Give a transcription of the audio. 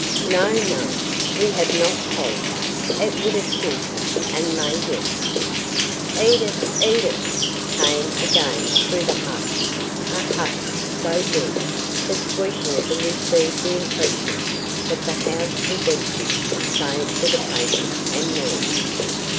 "No, no, we have not told him. It would have killed him and may yet." "Edith! Edith!" came again through the hush, a hush so deep that Sweetwater received the impression that the house was empty save for patient and nurse.